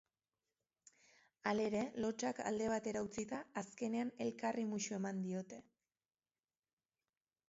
Halere, lotsak alde batera utzita, azkenean elkarri musu eman diote.